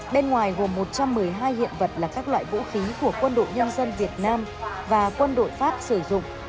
bên ngoài gồm một trăm một mươi hai hiện vật là các loại vũ khí của quân đội nhân dân việt nam và quân đội pháp sử dụng